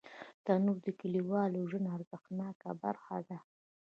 تنور د کلیوالو ژوند ارزښتناکه برخه ده